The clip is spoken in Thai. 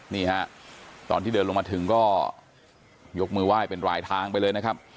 นี่ฮะตอนที่เดินลงมาถึงก็ยกมือไหว้เป็นรายทางไปเลยนะครับ